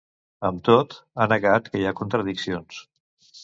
Amb tot, ha negat que hi ha “contradiccions”.